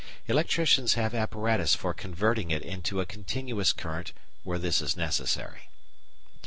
Electricians have apparatus for converting it into a continuous current where this is necessary.